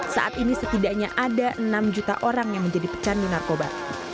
saat ini setidaknya ada enam juta orang yang menjadi pecandu narkoba